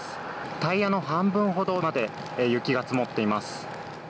タイヤの半分ほどまで雪が積もっています。